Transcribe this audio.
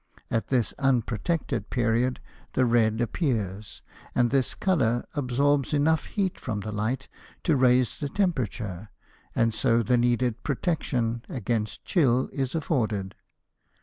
At this unprotected period the red appears, and this color absorbs enough heat from the light to raise the temperature, and so the needed protection against chill is afforded.